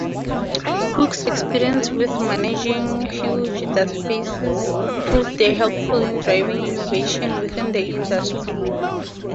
Cook's experience with managing huge databases proved helpful in driving innovation within the industry.